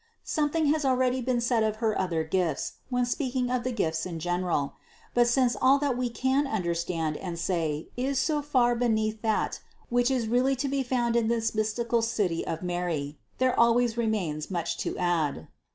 THE CONCEPTION 469 607. Something has already been said of Her other gifts, when speaking of the gifts in general; but since all that we can understand and say is so far beneath that which is really to be found in this mystical city of Mary, there always remains much to add.